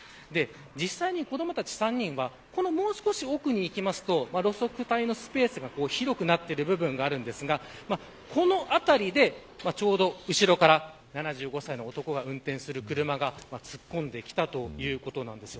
実際に子どもたち３人はもう少し奥にいくと路側帯のスペースが広くなっている部分がありますがこの辺りでちょうど後ろから７５歳の男が運転する車が突っ込んできたということなんです。